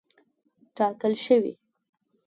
ټاکل شوې.